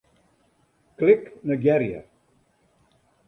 Klik Negearje.